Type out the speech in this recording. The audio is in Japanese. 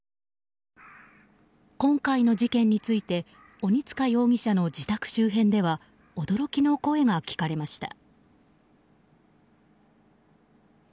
今回の事件について鬼塚容疑者の自宅周辺では驚きの声が聞かれました。